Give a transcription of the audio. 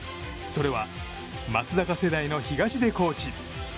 それは、松坂世代の東出コーチ。